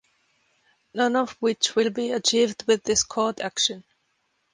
None of which will be achieved with this court action.